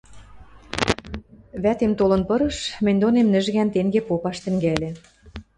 Вӓтем толын пырыш, мӹнь донем нӹжгӓн тенге попаш тӹнгӓльӹ.